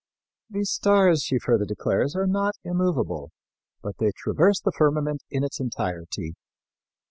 These stars, she further declares, are not immovable, but they traverse the firmament in its entirety.